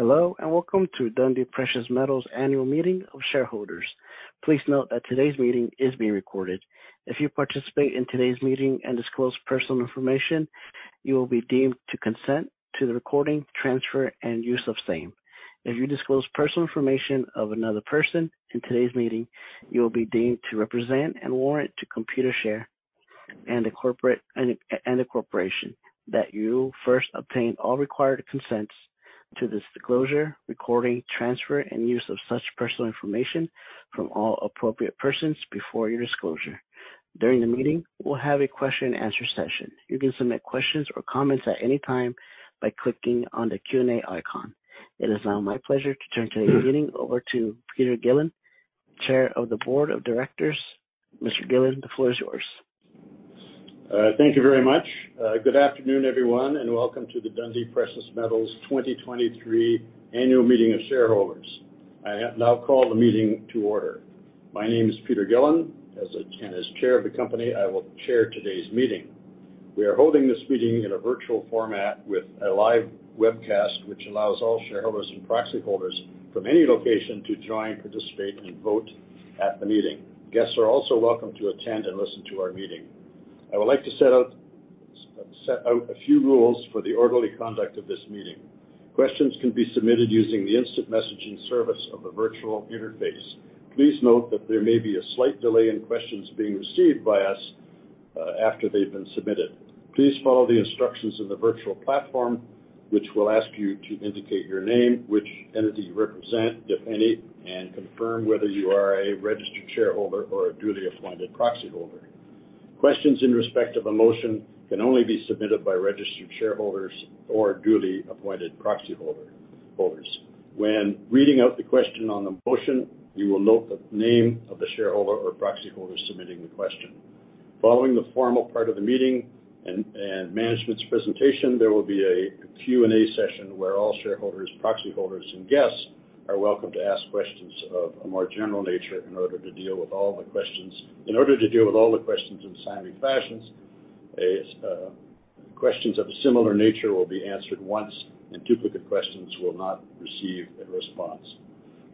Hello, and welcome to Dundee Precious Metals Annual Meeting of Shareholders. Please note that today's meeting is being recorded. If you participate in today's meeting and disclose personal information, you will be deemed to consent to the recording, transfer, and use of the same. If you disclose personal information of another person in today's meeting, you will be deemed to represent and warrant to Computershare and the corporation that you first obtain all required consents to this disclosure, recording, transfer, and use of such personal information from all appropriate persons before your disclosure. During the meeting, we'll have a question-and-answer session. You can submit questions or comments at any time by clicking on the Q&A icon. It is now my pleasure to turn today's meeting over to Peter Gillin, Chair of the Board of Directors. Mr. Gillin, the floor is yours. Thank you very much. Good afternoon, everyone, and welcome to the Dundee Precious Metals 2023 Annual Meeting of Shareholders. I now call the meeting to order. My name is Peter Gillin. As Chair of the company, I will chair today's meeting. We are holding this meeting in a virtual format with a live webcast, which allows all shareholders and proxy holders from any location to join, participate, and vote at the meeting. Guests are also welcome to attend and listen to our meeting. I would like to set out a few rules for the orderly conduct of this meeting. Questions can be submitted using the instant messaging service of the virtual interface. Please note that there may be a slight delay in questions being received by us after they've been submitted. Please follow the instructions in the virtual platform, which will ask you to indicate your name, which entity you represent, if any, and confirm whether you are a registered shareholder or a duly appointed proxyholder. Questions in respect of a motion can only be submitted by registered shareholders or duly appointed proxyholders. When reading out the question on the motion, you will note the name of the shareholder or proxyholder submitting the question. Following the formal part of the meeting and management's presentation, there will be a Q&A session where all shareholders, proxyholders, and guests are welcome to ask questions of a more general nature in order to deal with all the questions. In order to deal with all the questions in a timely fashion a, questions of a similar nature will be answered once, and duplicate questions will not receive a response.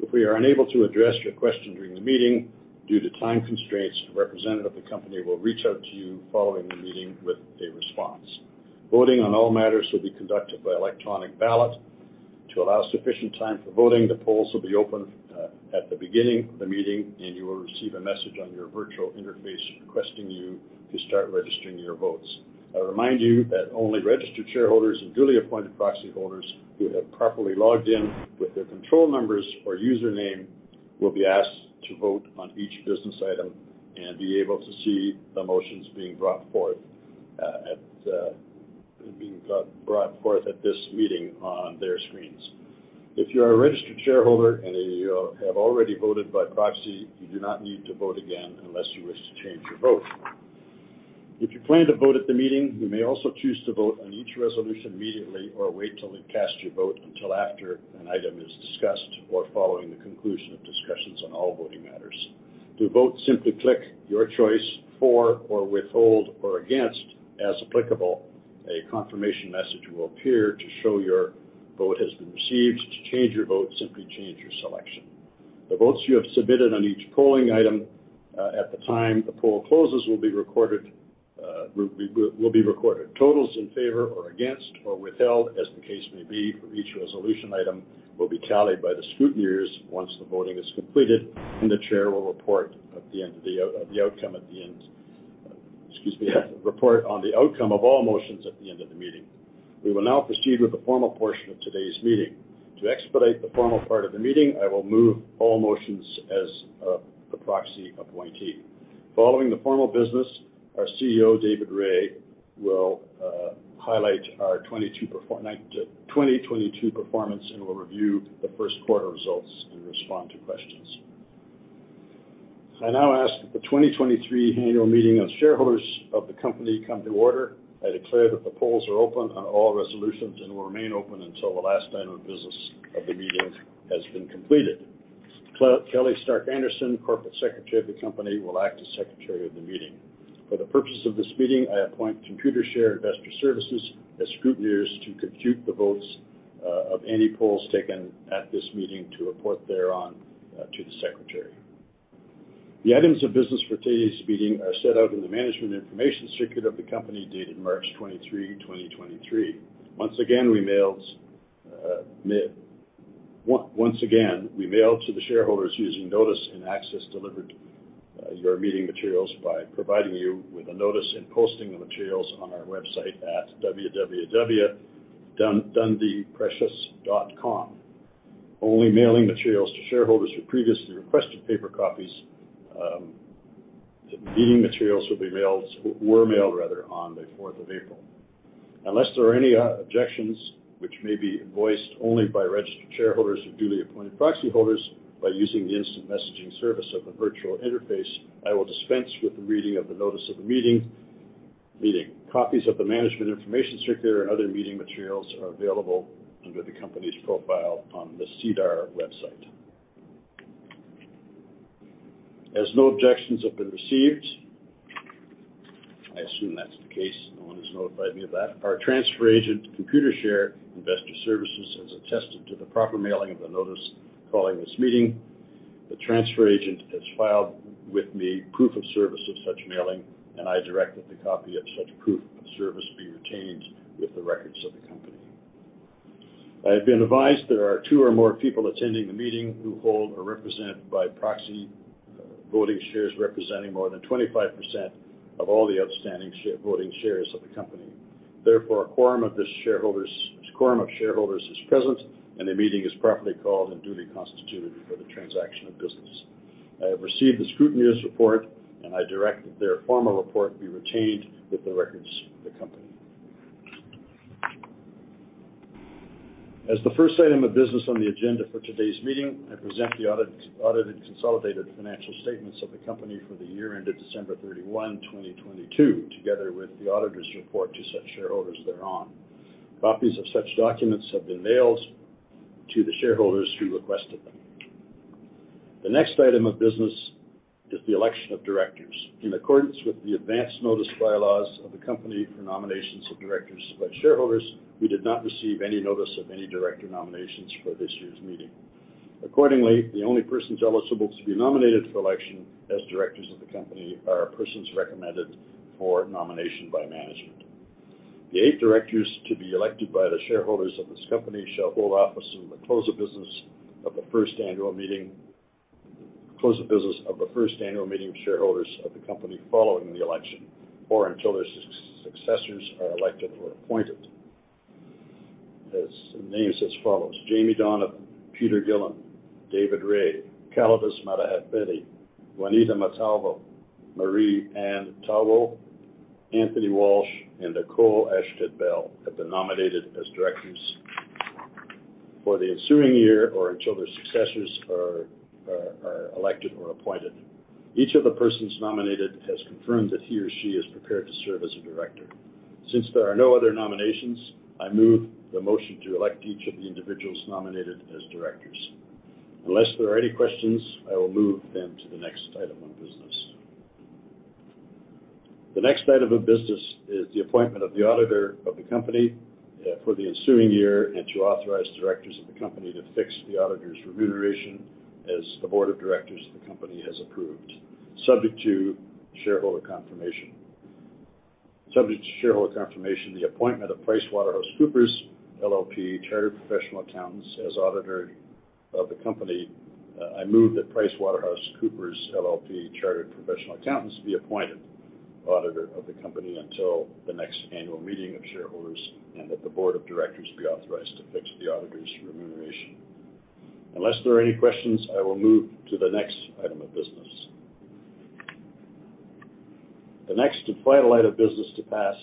If we are unable to address your question during the meeting due to time constraints, a representative of the company will reach out to you following the meeting with a response. Voting on all matters will be conducted by electronic ballot. To allow sufficient time for voting, the polls will be open at the beginning of the meeting, and you will receive a message on your virtual interface requesting you to start registering your votes. I remind you that only registered shareholders and duly appointed proxyholders who have properly logged in with their control numbers or usernames will be asked to vote on each business item and be able to see the motions being brought forth at this meeting on their screens. If you're a registered shareholder and you have already voted by proxy, you do not need to vote again unless you wish to change your vote. If you plan to vote at the meeting, you may also choose to vote on each resolution immediately or wait till we cast your vote until after an item is discussed or following the conclusion of discussions on all voting matters. To vote, simply click your choice for or withhold or against as applicable. A confirmation message will appear to show your vote has been received. To change your vote, simply change your selection. The votes you have submitted on each polling item, at the time the poll closesE will be recorded. Totals in favor or against or withheld, as the case may be, for each resolution item will be tallied by the scrutineers once the voting is completed, and the Chair will report at the end of the outcome at the end. Excuse me. Report on the outcome of all motions at the end of the meeting. We will now proceed with the formal portion of today's meeting. To expedite the formal part of the meeting, I will move all motions as the proxy appointee. Following the formal business, our CEO, David Rae, will highlight our 2019 to 2022 performance and will review the Q1 results and respond to questions. I now ask that the 2023 annual meeting of shareholders of the company come to order. I declare that the polls are open on all resolutions and will remain open until the last item of business of the meeting has been completed. Kelly Stark-Anderson, Corporate Secretary of the company, will act as secretary of the meeting. For the purpose of this meeting, I appoint Computershare Investor Services as scrutineers to compute the votes of any polls taken at this meeting to report thereon to the secretary. The items of business for today's meeting are set out in the management information circular of the company dated 23 March, 2023. We mailed to the shareholders using notice and access, delivered your meeting materials by providing you with a notice and posting the materials on our website at www.dundeeprecious.com. Only mailing materials to shareholders who previously requested paper copies, the meeting materials will be mailed, were mailed rather on the 4th of April. Unless there are any objections which may be voiced only by registered shareholders or duly appointed proxyholders by using the instant messaging service of the virtual interface, I will dispense with the reading of the notice of the meeting. Copies of the management information circular and other meeting materials are available under the company's profile on the SEDAR website. As no objections have been received, I assume that's the case. No one has notified me of that. Our transfer agent, Computershare Investor Services, has attested to the proper mailing of the notice following this meeting. The transfer agent has filed with me proof of service of such mailing. I directed a copy of such proof of service be retained with the records of the company. I have been advised there are 2 or more people attending the meeting who hold or represent by proxy voting shares representing more than 25% of all the outstanding voting shares of the company. Therefore, a quorum of shareholders is present. The meeting is properly called and duly constituted for the transaction of business. I have received the scrutineer's report. I direct that their formal report be retained with the records of the company. As the first item of business on the agenda for today's meeting, I present the audited consolidated financial statements of the company for the year ended 31 December, 2022, together with the auditor's report to such shareholders thereon. Copies of such documents have been mailed to the shareholders who requested them. The next item of business is the election of directors. In accordance with the advanced notice bylaws of the company for nominations of directors by shareholders, we did not receive any notice of any director nominations for this year's meeting. Accordingly, the only persons eligible to be nominated for election as directors of the company are persons recommended for nomination by management. The 8 directors to be elected by the shareholders of this company shall hold office in the close of business of the first annual meeting... Close of business of the first annual meeting of shareholders of the company following the election or until their successors are elected or appointed. As the names as follows: Jaimie Donovan, Peter Gillin, David Rae, Kalidas Madhavpeddi, Juanita Montalvo, Marie-Anne Tawil, Anthony Walsh, and Nicole Adshead-Bell have been nominated as directors for the ensuing year or until their successors are elected or appointed. Each of the persons nominated has confirmed that he or she is prepared to serve as a director. Since there are no other nominations, I move the motion to elect each of the individuals nominated as directors. Unless there are any questions, I will move then to the next item of business. The next item of business is the appointment of the auditor of the company for the ensuing year and to authorize directors of the company to fix the auditor's remuneration as the board of directors of the company has approved, subject to shareholder confirmation. Subject to shareholder confirmation, the appointment of PricewaterhouseCoopers LLP, Chartered Professional Accountants as auditor of the company, I move that PricewaterhouseCoopers LLP, Chartered Professional Accountants be appointed auditor of the company until the next annual meeting of shareholders and that the board of directors be authorized to fix the auditor's remuneration. Unless there are any questions, I will move to the next item of business. The next vital item of business to pass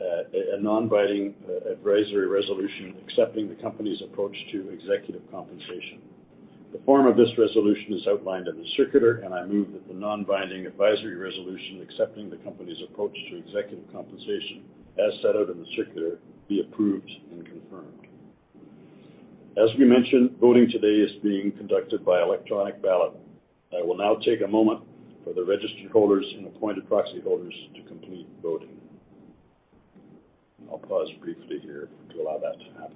a non-binding advisory resolution accepting the company's approach to executive compensation. The form of this resolution is outlined in the circular. I move that the non-binding advisory resolution accepting the company's approach to executive compensation, as set out in the circular, be approved and confirmed. As we mentioned, voting today is being conducted by electronic ballot. I will now take a moment for the registered holders and appointed proxy holders to complete voting. I'll pause briefly here to allow that to happen.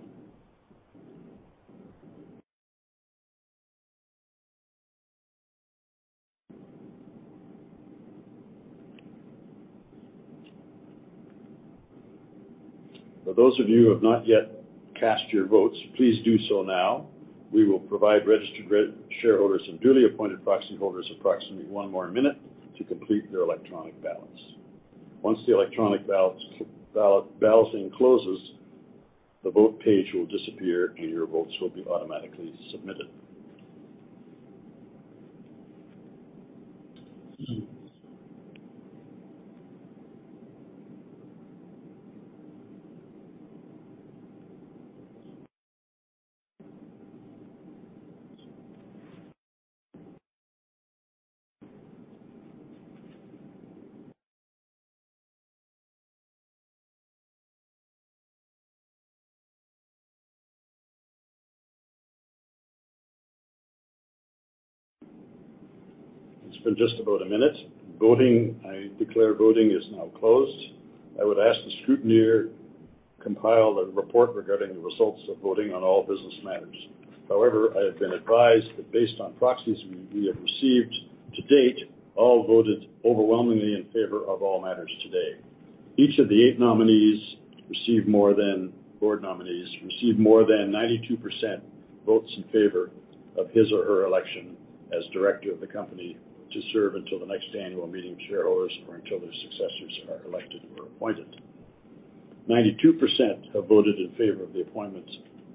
For those of you who have not yet cast your votes, please do so now. We will provide registered shareholders and duly appointed proxy holders approximately 1 more minute to complete their electronic ballots. Once the electronic ballots balloting closes, the vote page will disappear, and your votes will be automatically submitted. It's been just about a minute. Voting... I declare voting is now closed. I would ask the scrutineer compile a report regarding the results of voting on all business matters. I have been advised that based, on the proxies we have received to date, all voted overwhelmingly in favor of all matters today. Each of the eight nominees received more than board nominees received more than 92% votes in favor of his or her election as director of the company to serve until the next annual meeting of shareholders or until their successors are elected or appointed. 92% have voted in favor of the appointments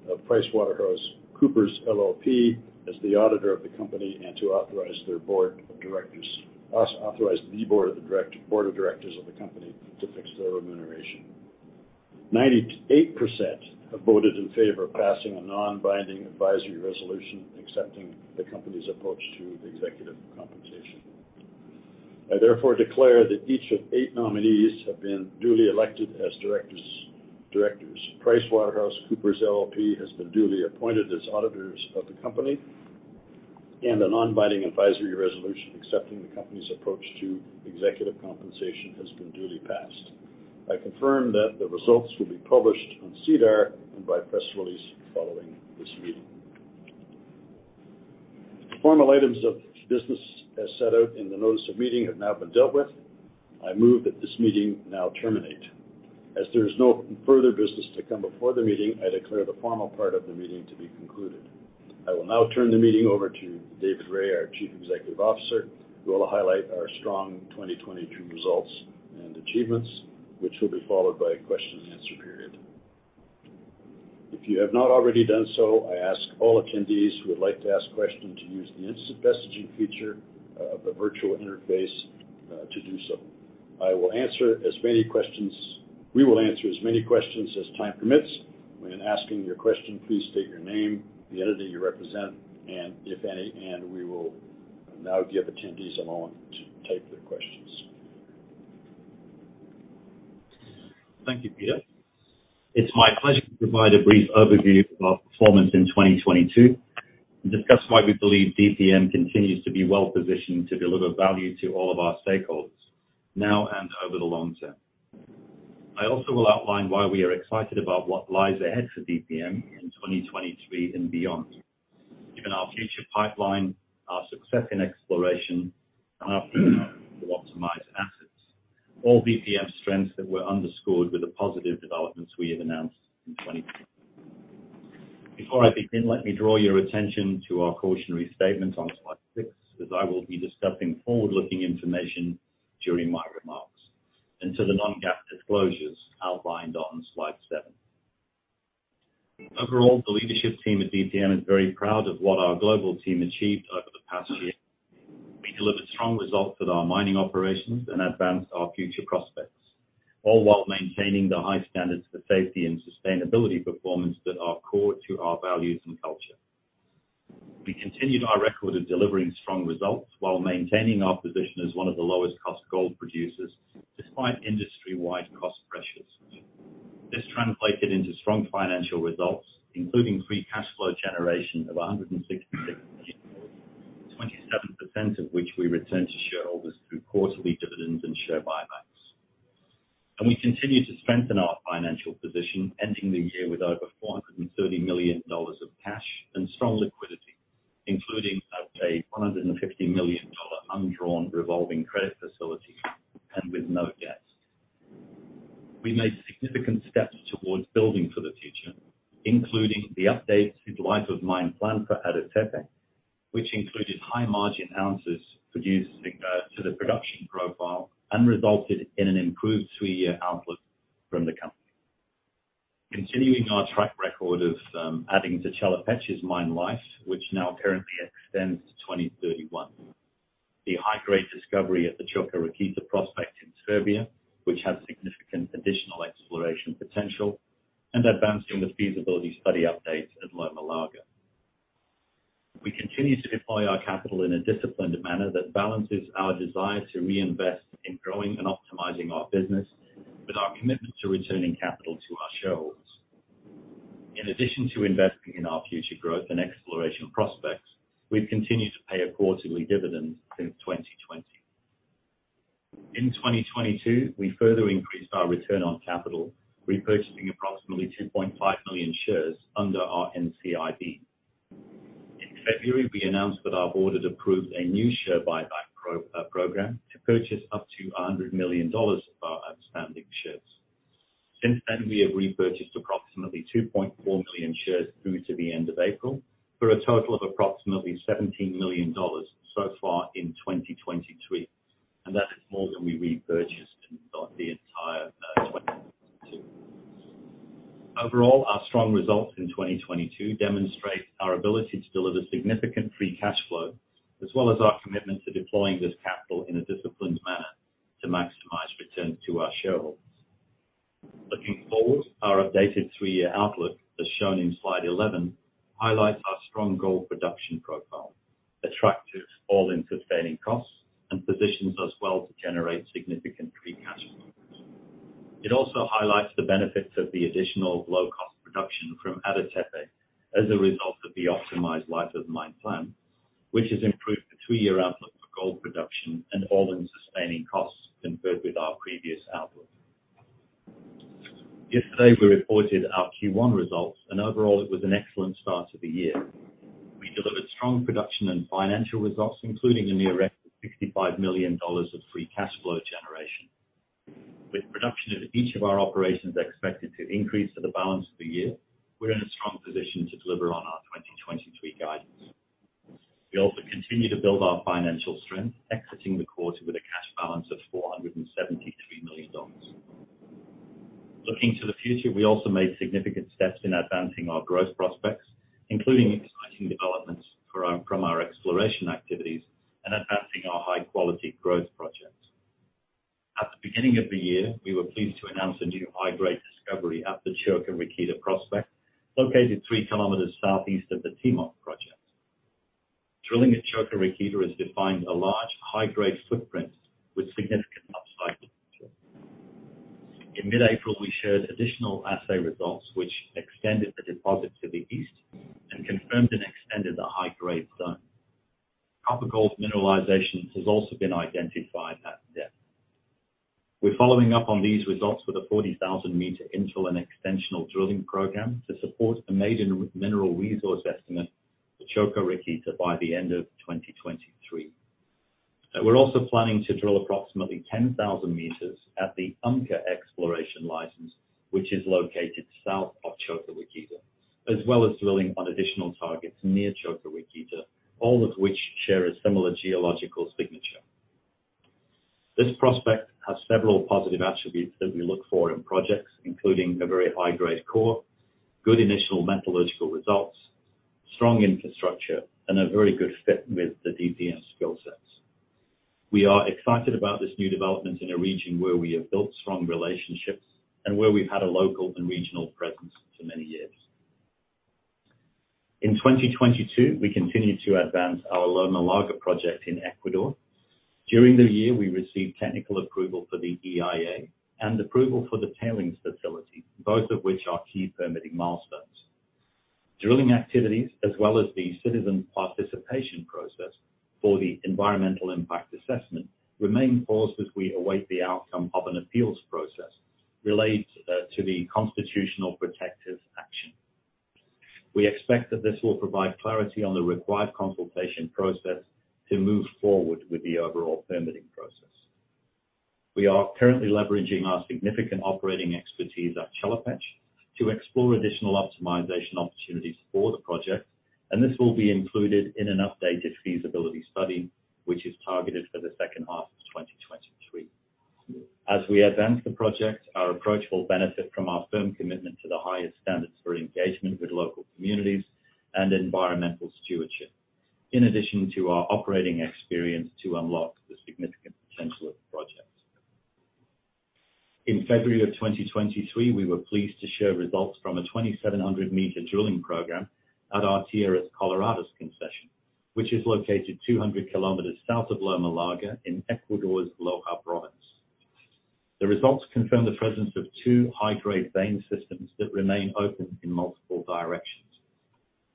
of PricewaterhouseCoopers LLP as the auditor of the company and to authorize their board of directors. Authorize the board of directors of the company to fix their remuneration. 98% have voted in favor of passing a non-binding advisory resolution accepting the company's approach to executive compensation. I therefore declare that each of the eight nominees have been duly elected as directors. PricewaterhouseCoopers LLP has been duly appointed as the auditors of the company. A non-binding advisory resolution accepting the company's approach to executive compensation has been duly passed. I confirm that the results will be published on SEDAR and by press release following this meeting. The formal items of business as set out in the notice of meeting have now been dealt with. I move that this meeting now terminate. As there is no further business to come before the meeting, I declare the formal part of the meeting to be concluded. I will now turn the meeting over to David Rae, our Chief Executive Officer, who will highlight our strong 2022 results and achievements, which will be followed by a question-and-answer period. If you have not already done so, I ask all attendees who would like to ask questions to use the instant messaging feature of the virtual interface to do so. We will answer as many questions as time permits. When asking your question, please state your name, the entity you represent, and if any, and we will now give attendees a moment to type their questions. Thank you, Peter. It's my pleasure to provide a brief overview of our performance in 2022 and discuss why we believe DPM continues to be well-positioned to deliver value to all of our stakeholders, now and over the long term. I also will outline why we are excited about what lies ahead for DPM in 2023 and beyond, given our future pipeline, our success in exploration, and our commitment to optimize assets. All DPM strengths that were underscored with the positive developments we have announced in 2022. Before I begin, let me draw your attention to our cautionary statement on slide 6, as I will be discussing forward-looking information during my remarks, and to the non-GAAP disclosures outlined on slide 7. Overall, the leadership team at DPM is very proud of what our global team achieved over the past year. We delivered strong results with our mining operations and advanced our future prospects, all while maintaining the high standards for safety and sustainability performance that are core to our values and culture. We continued our record of delivering strong results while maintaining our position as one of the lowest-cost gold producers despite industry-wide cost pressures. This translated into strong financial results, including free cash flow generation of $166 million, 27% of which we returned to shareholders through quarterly dividends and share buybacks. We continue to strengthen our financial position, ending the year with over $430 million of cash and strong liquidity, including a $150 million undrawn revolving credit facility, and with no debt. We made significant steps towards building for the future, including the updates to the life of mine plan for Ada Tepe, which included high-margin ounces produced to the production profile, and resulted in an improved three-year outlook from the company. Continuing our track record of adding to Chelopech's mine life, which now currently extends to 2031. The high-grade discovery at the Čoka Rakita prospect in Serbia, which has significant additional exploration potential, and advancing the feasibility study updates at Loma Larga. We continue to deploy our capital in a disciplined manner that balances our desire to reinvest in growing and optimizing our business with our commitment to returning capital to our shareholders. In addition to investing in our future growth and exploration prospects, we've continued to pay a quarterly dividend since 2020. In 2022, we further increased our return on capital, repurchasing approximately 2.5 million shares under our NCIB. In February, we announced that our board had approved a new share buyback program to purchase up to $100 million of our outstanding shares. Since then, we have repurchased approximately 2.4 million shares through to the end of April, for a total of approximately $17 million so far in 2023, and that is more than we repurchased in the entire 2022. Overall, our strong results in 2022 demonstrate our ability to deliver significant free cash flow, as well as our commitment to deploying this capital in a disciplined manner to maximize returns to our shareholders. Looking forward, our updated 3-year outlook, as shown in slide 11, highlights our strong gold production profile, attractive all-in sustaining costs, and positions us well to generate significant free cash flows. It also highlights the benefits of the additional low-cost production from Ada Tepe as a result of the optimized life of mine plan, which has improved the 3-year outlook for gold production and all-in sustaining costs compared with our previous outlook. Yesterday, we reported our Q1 results, and overall, it was an excellent start to the year. We delivered strong production and financial results, including a near-record $65 million of free cash flow generation. With production at each of our operations expected to increase for the balance of the year, we're in a strong position to deliver on our 2023 guidance. We also continue to build our financial strength, exiting the quarter with a cash balance of $473 million. Looking to the future, we also made significant steps in advancing our growth prospects, including exciting developments from our exploration activities and advancing our high-quality growth projects. At the beginning of the year, we were pleased to announce a new high-grade discovery at the Čoka Rakita prospect, located 3 kilometers southeast of the Timok project. Drilling at Čoka Rakita has defined a large high-grade footprint with significant upside potential. In mid-April, we shared additional assay results, which extended the deposit to the east and confirmed and extended the high-grade zone. Copper-gold mineralization has also been identified at depth. We're following up on these results with a 40,000-meter infill and extensional drilling program to support a maiden mineral resource estimate for Čoka Rakita by the end of 2023. We're also planning to drill approximately 10,000 meters at the Umka exploration license, which is located south of Čoka Rakita, as well as drilling on additional targets near Čoka Rakita, all of which share a similar geological signature. This prospect has several positive attributes that we look for in projects, including a very high-grade core, good initial metallurgical results, strong infrastructure, and a very good fit with the DPM skill sets. We are excited about this new development in a region where we have built strong relationships and where we've had a local and regional presence for many years. In 2022, we continued to advance our Loma Larga project in Ecuador. During the year, we received technical approval for the EIA and approval for the tailings facility, both of which are key permitting milestones. Drilling activities as well as the citizen participation process for the environmental impact assessment, remain paused as we await the outcome of an appeals process related to the Constitutional Protective Action. We expect that this will provide clarity on the required consultation process to move forward with the overall permitting process. We are currently leveraging our significant operating expertise at Chelopech to explore additional optimization opportunities for the project. This will be included in an updated feasibility study, which is targeted for the second half of 2023. As we advance the project, our approach will benefit from our firm commitment to the highest standards for engagement with local communities and environmental stewardship, in addition to our operating experience to unlock the significant potential of the project. In February of 2023, we were pleased to share results from a 2,700-meter drilling program at our Tierras Coloradas concession, which is located 200 kilometers south of Loma Larga in Ecuador's Loja province. The results confirm the presence of two high-grade vein systems that remain open in multiple directions.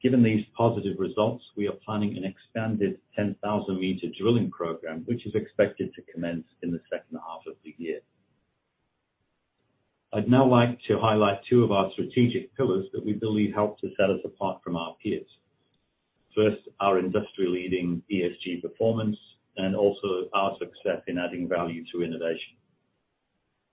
Given these positive results, we are planning an expanded 10,000-meter drilling program, which is expected to commence in the second half of the year. I'd now like to highlight two of our strategic pillars that we believe help to set us apart from our peers. First, our industry-leading ESG performance, and also our success in adding value to innovation.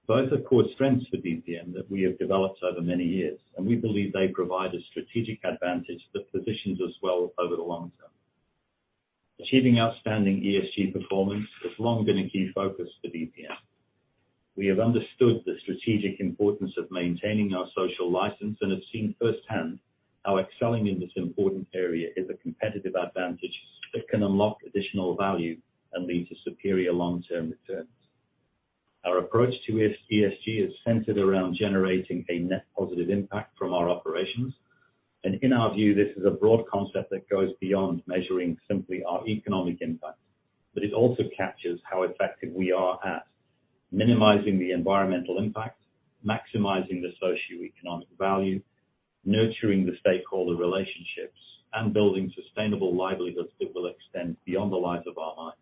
Both are core strengths for DPM that we have developed over many years, and we believe they provide a strategic advantage that positions us well over the long term. Achieving outstanding ESG performance has long been a key focus for DPM. We have understood the strategic importance of maintaining our social license and have seen firsthand how excelling in this important area is a competitive advantage that can unlock additional value and lead to superior long-term returns. Our approach to ESG is centered around generating a net positive impact from our operations. In our view, this is a broad concept that goes beyond measuring simply our economic impact. It also captures how effective we are at minimizing the environmental impact, maximizing the socioeconomic value, nurturing the stakeholder relationships, and building sustainable livelihoods that will extend beyond the life of our mines.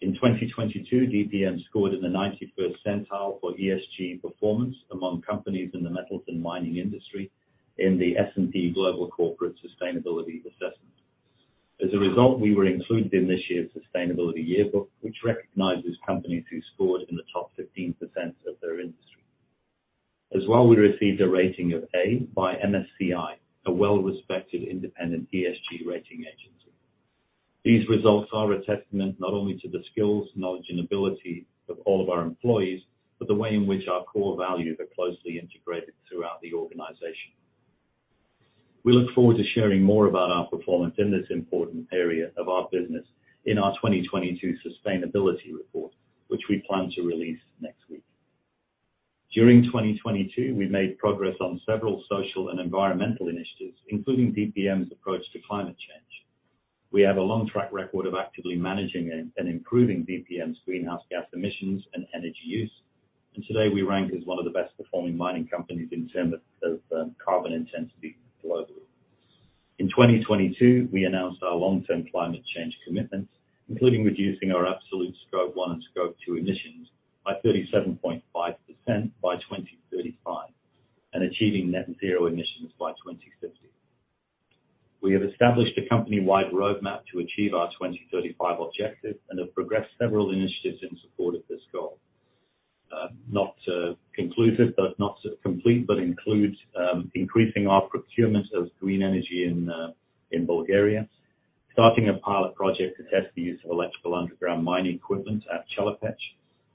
In 2022, DPM scored in the 91st centile for ESG performance among companies in the metals and mining industry in the S&P Global Corporate Sustainability Assessment. As a result, we were included in this year's Sustainability Yearbook, which recognizes companies that scored in the top 15% of their industry. As well, we received a rating of A by MSCI, a well-respected independent ESG rating agency. These results are a testament not only to the skills, knowledge, and ability of all of our employees, but the way in which our core values are closely integrated throughout the organization. We look forward to sharing more about our performance in this important area of our business in our 2022 Sustainability Report, which we plan to release next week. During 2022, we made progress on several social and environmental initiatives, including DPM's approach to climate change. We have a long track record of actively managing and improving DPM's greenhouse gas emissions and energy use. Today, we rank as one of the best-performing mining companies in terms of carbon intensity globally. In 2022, we announced our long-term climate change commitments, including reducing our absolute Scope 1 and Scope 2 emissions by 37.5% by 2035 and achieving net zero emissions by 2050. We have established a company-wide roadmap to achieve our 2035 objective and have progressed several initiatives in support of this goal. Not conclusive, but not complete, but includes increasing our procurement of green energy in Bulgaria, starting a pilot project to test the use of electrical underground mining equipment at Chelopech,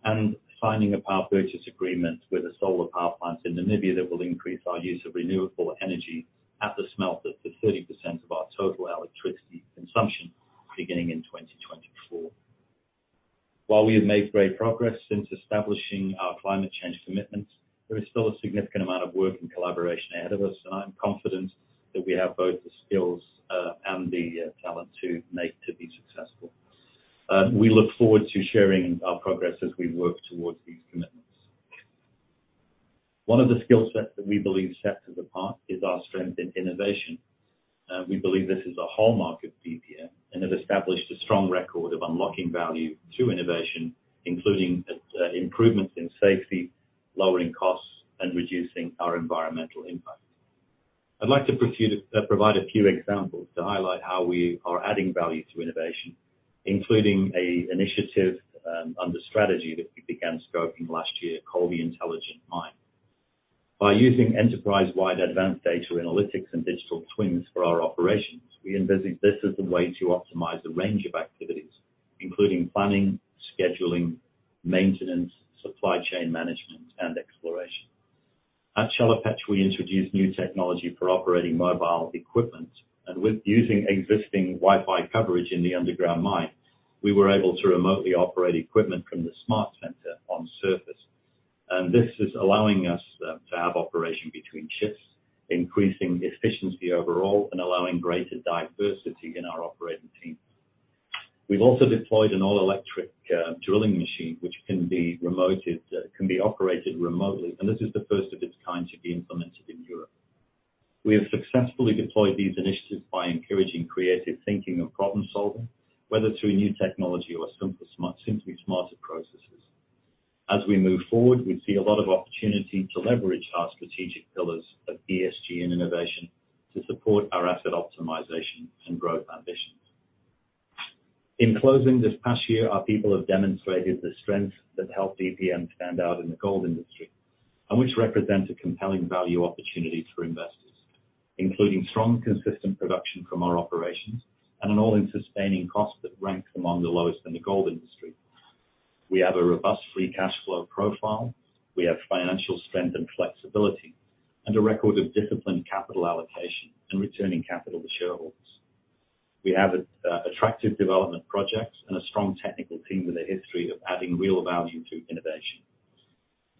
and signing a power purchase agreement with a solar power plant in Namibia that will increase our use of renewable energy at the smelter to 30% of our total electricity consumption beginning in 2024. While we have made great progress since establishing our climate change commitments, there is still a significant amount of work and collaboration ahead of us, and I'm confident that we have both the skills and the talent to be successful. We look forward to sharing our progress as we work towards these commitments. One of the skill sets that we believe sets us apart is our strength in innovation. We believe this is a hallmark of DPM, and have established a strong record of unlocking value to innovation, including improvements in safety, lowering costs, and reducing our environmental impact. I'd like to provide a few examples to highlight how we are adding value to innovation, including an initiative on the strategy that we began scoping last year called the Intelligent Mine. By using enterprise-wide advanced data analytics and digital twins for our operations, we envision this as the way to optimize a range of activities, including planning, scheduling, maintenance, supply chain management, and exploration. At Chelopech, we introduced new technology for operating mobile equipment, and with using existing Wi-Fi coverage in the underground mine, we were able to remotely operate equipment from the smart center on the surface. This is allowing us to have operation between shifts, increasing efficiency overall and allowing greater diversity in our operating team. We've also deployed an all-electric drilling machine, which can be remoted, can be operated remotely, and this is the first of its kind to be implemented in Europe. We have successfully deployed these initiatives by encouraging creative thinking and problem-solving, whether through new technology or simply smarter processes. As we move forward, we see a lot of opportunity to leverage our strategic pillars of ESG and innovation to support our asset optimization and growth ambitions. In closing, this past year, our people have demonstrated the strength that helped DPM stand out in the gold industry and which represents a compelling value opportunity for investors, including strong, consistent production from our operations and an all-in sustaining cost that ranks among the lowest in the gold industry. We have a robust free cash flow profile, we have financial strength and flexibility, and a record of disciplined capital allocation and returning capital to shareholders. We have attractive development projects and a strong technical team with a history of adding real value through innovation.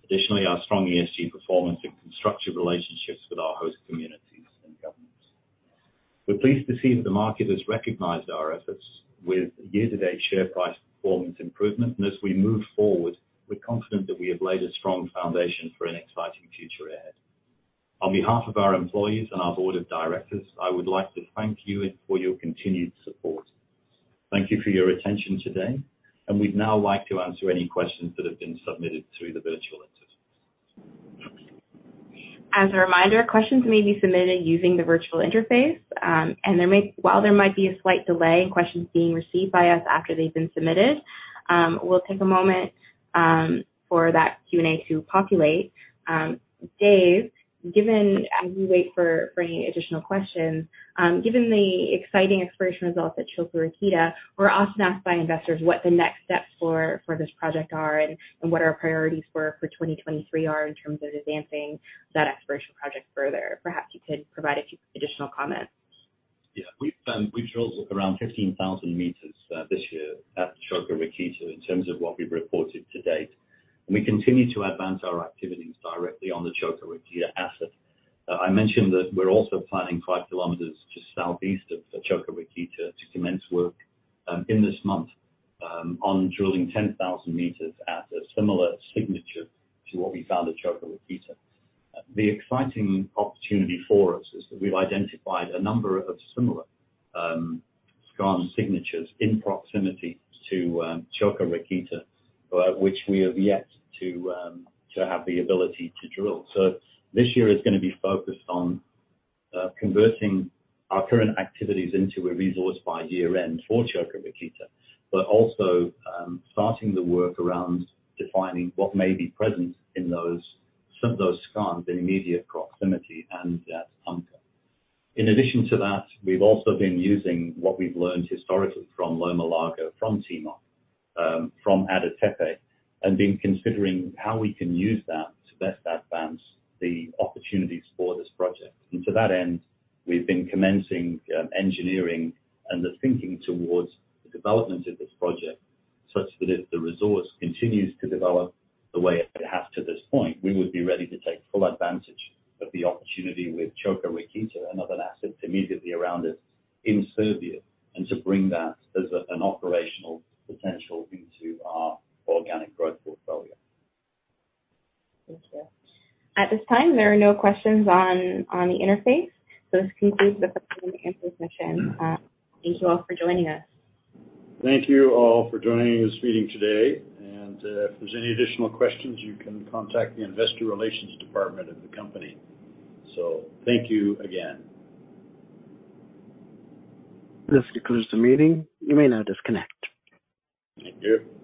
Additionally, our strong ESG performance and constructive relationships with our host communities and governments. We're pleased to see that the market has recognized our efforts with year-to-date share price performance improvement. As we move forward, we're confident that we have laid a strong foundation for an exciting future ahead. On behalf of our employees and our board of directors, I would like to thank you for your continued support. Thank you for your attention today, and we'd now like to answer any questions that have been submitted through the virtual interface. As a reminder, questions may be submitted using the virtual interface, while there might be a slight delay in questions being received by us after they've been submitted, we'll take a moment, for that Q&A to populate. Dave, given as we wait for any additional questions, given the exciting exploration results at Čoka Rakita, we're often asked by investors what the next steps for this project are and what our priorities for 2023 are in terms of advancing that exploration project further. Perhaps you could provide a few additional comments. Yeah. We've drilled around 15,000 meters this year at Čoka Rakita in terms of what we've reported to date. We continue to advance our activities directly on the Čoka Rakita asset. I mentioned that we're also planning 5 kilometers just southeast of Čoka Rakita to commence work in this month on drilling 10,000 meters at a similar signature to what we found at Čoka Rakita. The exciting opportunity for us is that we've identified a number of similar scan signatures in proximity to Čoka Rakita, which we have yet to have the ability to drill. This year is gonna be focused on converting our current activities into a resource by year's end for Čoka Rakita. Starting the work around defining what may be present in those, some of those scans in immediate proximity and at depth. In addition to that, we've also been using what we've learned historically from Loma Larga, from Tsumeb, from Ada Tepe, and been considering how we can use that to best advance the opportunities for this project. To that end, we've been commencing engineering and the thinking towards the development of this project, such that if the resource continues to develop the way it has to this point, we would be ready to take full advantage of the opportunity with Čoka Rakita and other assets immediately around it in Serbia, and to bring that as an operational potential into our organic growth portfolio. Thank you. At this time, there are no questions on the interface. This concludes the question and answers session. Thank you all for joining us. Thank you all for joining this meeting today. If there's any additional questions, you can contact the investor relations department of the company. Thank you again. This concludes the meeting. You may now disconnect. Thank you.